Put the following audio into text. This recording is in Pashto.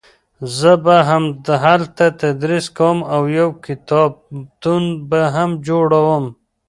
زه به هلته تدریس کوم او یو کتابتون به هم جوړوم